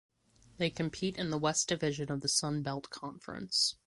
They compete in the West Division of the Sun Belt Conference.